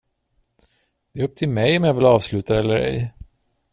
Det är upp till mig om jag vill avsluta det eller ej!